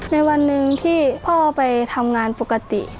ในวันหนึ่งที่พ่อไปทำงานปกติ